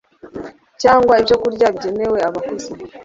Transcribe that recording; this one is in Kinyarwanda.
cyangwa ibyokurya bigenewe abakuze